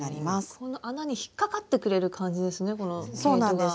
この穴に引っ掛かってくれる感じですね